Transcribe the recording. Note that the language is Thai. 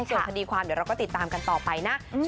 ส่วนคดีความเดี๋ยวเราก็ติดตามกันต่อไปนะ